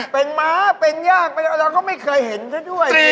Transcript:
เป็นหมาเป็นหญ้าเราก็ไม่เคยเห็นด้วย